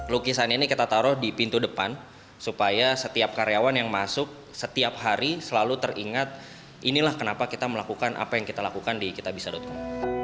lukisan ini kita taruh di pintu depan supaya setiap karyawan yang masuk setiap hari selalu teringat inilah kenapa kita melakukan apa yang kita lakukan di kitabisa com